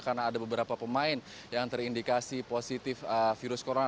karena ada beberapa pemain yang terindikasi positif virus corona